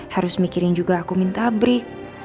harus mikirin juga aku minta break